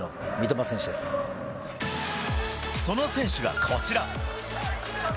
その選手がこちら。